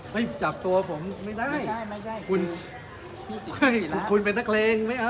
เฮ้ยจับตัวผมไม่ได้